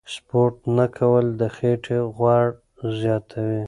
سپورت نه کول د خېټې غوړ زیاتوي.